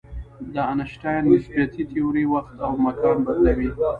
د آینشټاین نسبیتي تیوري وخت او مکان بدلوي.